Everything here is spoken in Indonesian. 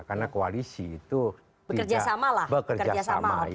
karena koalisi itu tidak bekerja sama